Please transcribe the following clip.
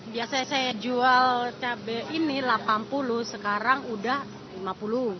biasanya saya jual cabai ini rp delapan puluh sekarang udah rp lima puluh